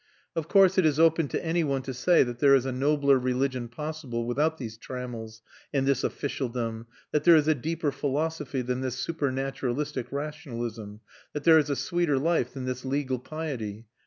Of course, it is open to any one to say that there is a nobler religion possible without these trammels and this officialdom, that there is a deeper philosophy than this supernaturalistic rationalism, that there is a sweeter life than this legal piety.